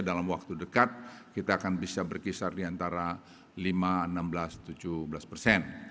dalam waktu dekat kita akan bisa berkisar di antara lima enam belas tujuh belas persen